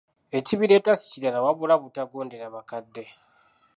Ekibireeta si kirala wabula butagondera bakadde.